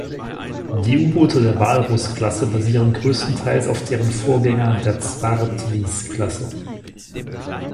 Die U-Boote der Walrus-Klasse basieren größtenteils auf deren Vorgängern der "Zwaardvis"-Klasse.